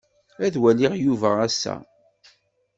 Ad waliɣ Yuba ass-a.